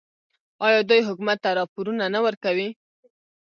آیا دوی حکومت ته راپورونه نه ورکوي؟